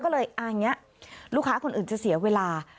เธอก็เลยอ่าอย่างเงี้ยลูกค้าคนอื่นจะเสียเวลา